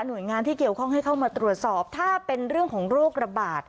โดยงานที่เกี่ยวข้องให้เข้ามาตรวจสอบถ้าเป็นเรื่องของโรคระบาด